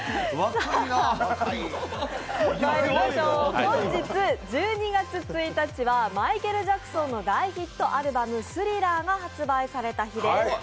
本日１２月１日はマイケル・ジャクソンの大ヒットアルバム「スリラー」が発売された日です。